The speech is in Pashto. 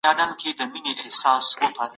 غړي به د پټو رايو له لاري خپل رئيس وټاکي.